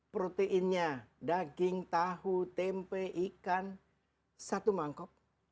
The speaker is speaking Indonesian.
proteinnya daging tahu tempe ikan satu mangkok